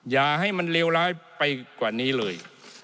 อย่าให้มันเลวร้ายไปกว่านี้เลย